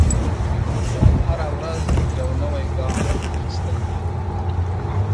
هره ورځ یو نوی ګام اخیستل دی.